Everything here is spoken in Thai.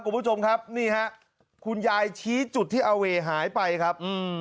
คุณผู้ชมครับนี่ฮะคุณยายชี้จุดที่อาเวหายไปครับอืม